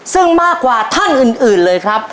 ซึ่งมากกว่าท่านอื่นเลยครับ